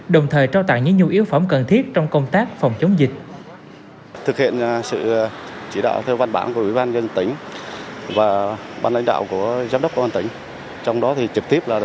đồng thời trao tặng những nhu yếu phẩm cần thiết trong công tác phòng chống dịch